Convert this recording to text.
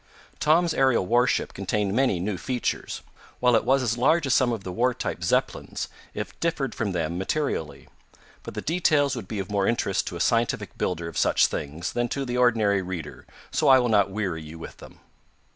Tom's aerial warship contained many new features. While it was as large as some of the war type Zeppelins, it differed from them materially. But the details would be of more interest to a scientific builder of such things than to the ordinary reader, so I will not weary you with them.